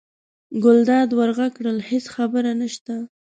ګلداد ور غږ کړل: هېڅ خبره نشته.